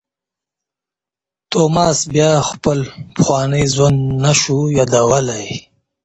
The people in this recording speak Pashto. توماس بیا خپل پخوانی ژوند نه شو یادولای.